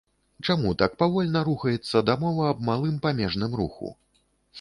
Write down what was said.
Чаму так павольна рухаецца дамова аб малым памежным руху?